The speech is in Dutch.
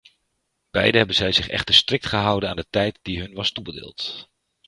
Beiden hebben zij zich echter strikt gehouden aan de tijd die hun was toebedeeld.